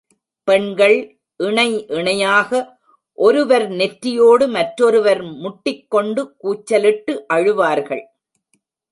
பெண்கள் இணை இணையாக ஒருவர் நெற்றியோடு மற்றொருவர் முட்டிக் கொண்டு கூச்சலிட்டு அழுவார்கள்.